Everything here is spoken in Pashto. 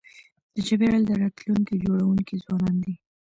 د چاپېریال د راتلونکي جوړونکي ځوانان دي.